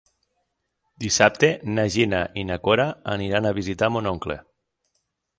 Dissabte na Gina i na Cora aniran a visitar mon oncle.